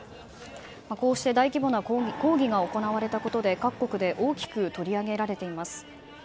こうして大規模な抗議が行われたことで各国で大きく取り上げられています。